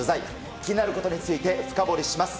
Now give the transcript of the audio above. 気になることについて深掘りします。